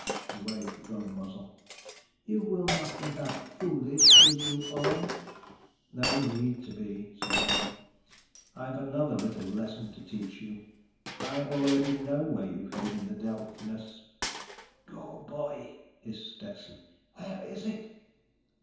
He waved the gun muzzle. "You will not be that foolish, will you, Orne?" "No need to be," said Orne. "I've another little lesson to teach you: I already know where you've hidden the Delphinus." "Go, boy!" hissed Stetson. _"Where is it?"